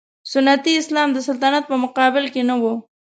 سنتي اسلام د سلطنت په مقابل کې نه و.